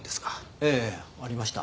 ええありました。